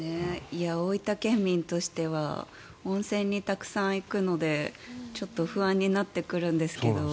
大分県民としては温泉にたくさん行くのでちょっと不安になってくるんですけど。